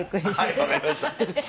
分かりました。